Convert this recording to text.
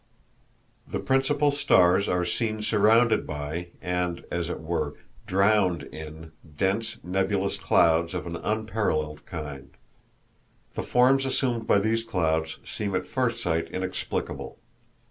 The principle stars are seen surrounded by, and, as it were, drowned in, dense nebulous clouds of an unparalleled kind. The forms assumed by these clouds seem at first sight inexplicable.